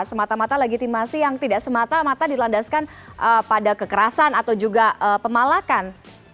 semata mata legitimasi yang tidak semata mata dilandaskan pada kekerasan atau juga pemalakan